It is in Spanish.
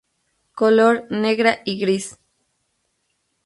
Color: Negra y gris.